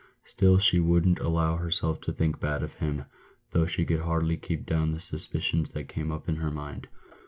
Still she wouldn't allow herself to think bad of him, though she could hardly keep down the suspicions that came up in her mind.